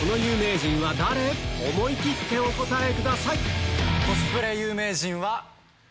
思い切ってお答えください